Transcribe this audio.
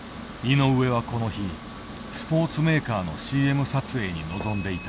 井上はこの日スポーツメーカーのＣＭ撮影に臨んでいた。